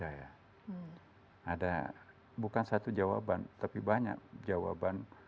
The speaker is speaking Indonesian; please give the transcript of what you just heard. ada bukan satu jawaban tapi banyak jawaban